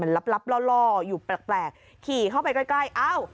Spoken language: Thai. มันกลับมาที่สุดท้ายแล้วมันกลับมาที่สุดท้ายแล้ว